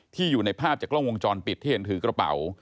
อยู่ในภาพจากกล้องวงจรปิดที่เห็นถือกระเป๋า